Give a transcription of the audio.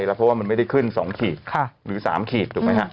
เพราะว่ามันไม่ได้ขึ้น๒ขีดหรือ๓ขีดถูกไหมฮะ